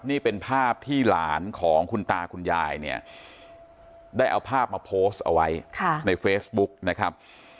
นี่เป็นภาพที่หลานของคุณตาคุณยายเนี่ยได้เอาภาพมาโพสต์เอาไว้ในเฟซบุ๊กนะครับ